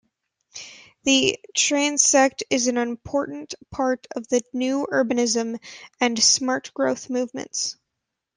The transect is an important part of the New Urbanism and smart growth movements.